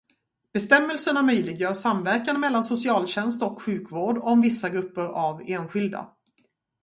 Bestämmelserna möjliggör samverkan mellan socialtjänst och sjukvård om vissa grupper av enskilda.